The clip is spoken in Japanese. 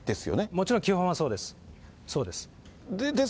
もちろん基本はそうです。